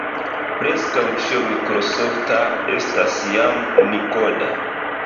Preskaŭ ĉio mikrosofta estas jam unikoda.